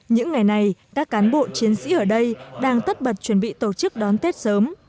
những ngày này các cán bộ chiến sĩ ở đây đang tất bật chuẩn bị tổ chức đón tết sớm